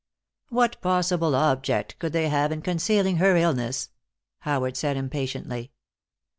"What possible object could they have in concealing her illness?" Howard said impatiently.